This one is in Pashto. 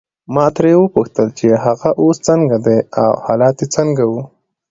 ما ترې وپوښتل چې هغه اوس څنګه دی او حالت یې څنګه وو.